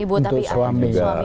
untuk suami juga